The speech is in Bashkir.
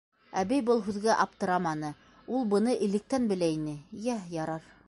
Әбей был һүҙгә аптыраманы, ул быны электән белә ине: - Йә, ярар.